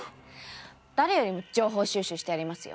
誰よりも情報収集してやりますよ！